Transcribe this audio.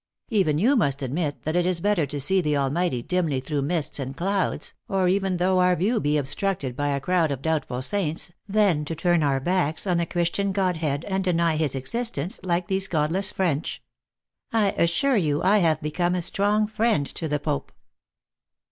Even you must admit that it is better to see the Almighty dimly through mists and clouds, or even though our view be obstructed by a crowd of doubtful saints, than to turn our backs on the Chris tian Godhead, and deny his existence like these god less French. I assure you I have become a strong friend to the Pope."